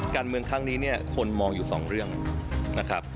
การเมืองข้างนี้คนมองอยู่สองเรื่องนะครับ